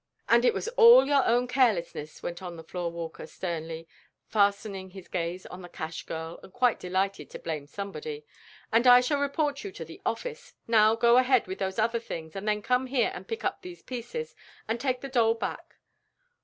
"And it was all your own carelessness," went on the floor walker, sternly, fastening his gaze on the cash girl and quite delighted to blame somebody. "And I shall report you to the office. Now go ahead with those other things, and then come here and pick up these pieces, and take the doll back."